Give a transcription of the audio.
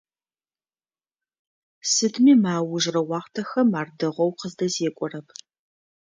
Сыдми мы аужрэ уахътэхэм ар дэгъоу къыздэзекӀорэп.